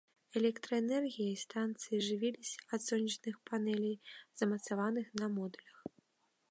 Электраэнергіяй станцыя жывілася ад сонечных панэлей, замацаваных на модулях.